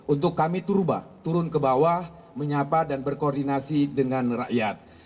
untuk kami turba turun ke bawah menyapa dan berkoordinasi dengan rakyat